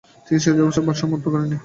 তিনি চিকিৎসাবিদ্যার পাঠ সমাপ্ত করেননি।